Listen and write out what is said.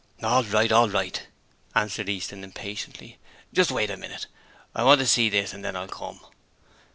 'All right, all right,' answered Easton impatiently. 'Just wait a minute, I want to see this, and then I'll come.'